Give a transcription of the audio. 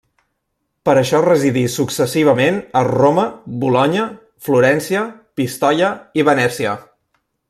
Per això residí successivament a Roma, Bolonya, Florència, Pistoia i Venècia.